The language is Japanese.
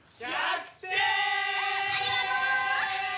ありがとう！